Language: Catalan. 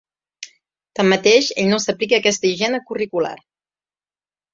Tanmateix, ell no s’aplica aquesta higiene curricular.